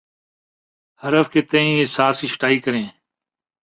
حروف کے تئیں حساس کی چھٹائی کریں